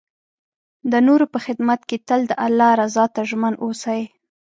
د نور په خدمت کې تل د الله رضا ته ژمن اوسئ.